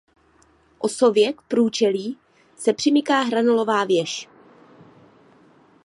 Osově k průčelí se přimyká hranolová věž.